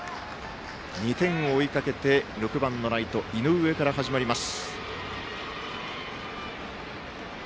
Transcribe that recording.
２点を追いかけて６番、ライトの井上から始まります。